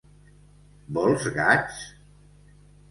Vols gats?